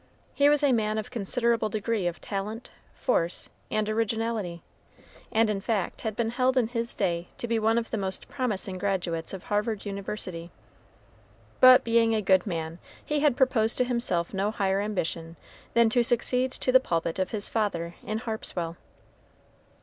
He was a man of a considerable degree of talent, force, and originality, and in fact had been held in his day to be one of the most promising graduates of Harvard University. But, being a good man, he had proposed to himself no higher ambition than to succeed to the pulpit of his father in Harpswell.